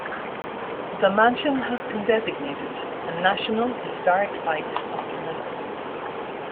The mansion has been designated a National Historic Site of Canada.